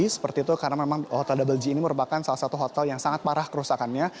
seperti itu karena memang hotel double g ini merupakan salah satu hotel yang sangat parah kerusakannya